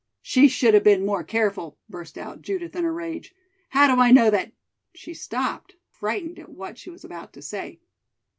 "She should have been more careful," burst out Judith in a rage. "How do I know that " she stopped, frightened at what she was about to say.